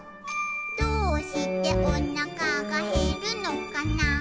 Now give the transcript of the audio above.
「どうしておなかがへるのかな」